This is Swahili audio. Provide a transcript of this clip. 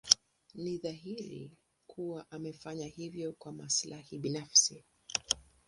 Ni dhahiri kuwa amefanya hivyo kwa maslahi binafsi.